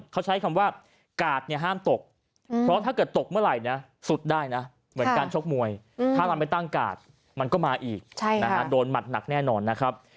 เขาใช้คำว่ากาดเนี่ยห้ามตกเพราะถ้าเกิดตกเมื่อไหร่นะสุดได้นะเหมือนการชกมวยถ้าเราไม่ตั้งกาดมันก็มาอีกโดนหมัดหนักแน่นอนนะครับ